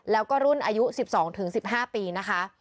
แล้วก็รุ่นอายุ๑๒๑๕ปีนะคะ